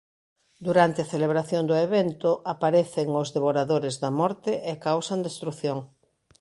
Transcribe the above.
Durante a celebración do evento aparecen os Devoradores da Morte e causan destrución.